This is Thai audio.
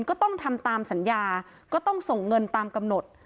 ก็ต้องทำตามสัญญาก็ต้องส่งเงินตามกำหนด